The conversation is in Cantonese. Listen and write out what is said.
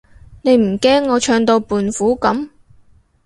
你唔驚我唱到胖虎噉？